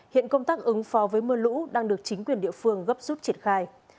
hiện công tác ứng phó với mưa lũ đang được chính quyền địa phương gấp rút triển khai